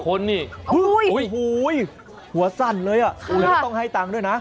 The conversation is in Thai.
โอ้โฮหัวสั่นเลยอ่ะเหลือต้องให้ตังค์ด้วยนะ